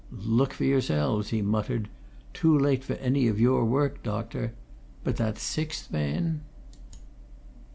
"Look for yourselves!" he muttered. "Too late for any of your work, doctor. But that sixth man?"